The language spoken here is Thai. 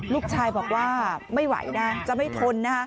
ลูกชายบอกว่าไม่ไหวนะจะไม่ทนนะ